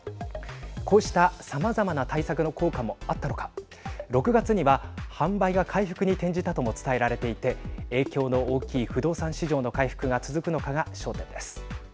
こうした、さまざまな対策の効果もあったのか６月には、販売が回復に転じたとも伝えられていて影響の大きい不動産市場の回復が続くのかが焦点です。